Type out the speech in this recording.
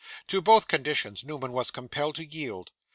To both conditions, Newman was compelled to yield.